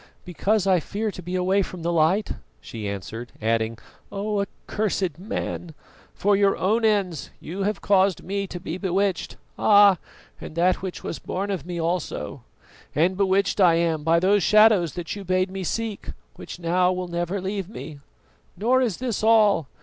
"Because I fear to be away from the light," she answered; adding, "Oh, accursed man! for your own ends you have caused me to be bewitched, ah! and that which was born of me also, and bewitched I am by those shadows that you bade me seek, which now will never leave me. Nor, is this all.